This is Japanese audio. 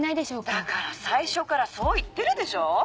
だから最初からそう言ってるでしょ！